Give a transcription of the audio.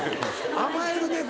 甘える猫。